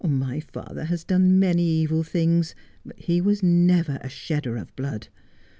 My father has done many evil things, but he was never a shedder of blood.